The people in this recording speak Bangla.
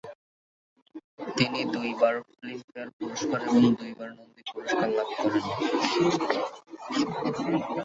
তিনি দুইবার ফিল্মফেয়ার পুরস্কার এবং দুইবার নন্দী পুরস্কার লাভ করেন।